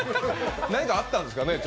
何かあったんですかね。